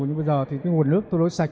nhưng bây giờ thì cái nguồn nước tôi lối sạch